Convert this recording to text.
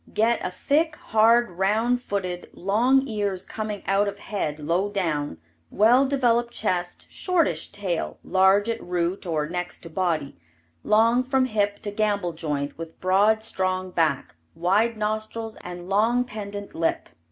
Get a thick, hard, round footed, long ears coming out of head low down, well developed chest, shortish tail, large at root or next to body, long from hip to gamble joint, with broad strong back, wide nostrils and long pendant lip.